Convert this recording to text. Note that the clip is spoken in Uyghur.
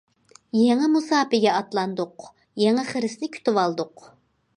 يېڭى مۇساپىگە ئاتلاندۇق، يېڭى خىرىسنى كۈتۈۋالدۇق.